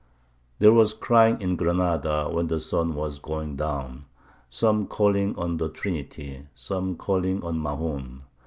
There was crying in Granada when the sun was going down; Some calling on the Trinity some calling on Mahoun.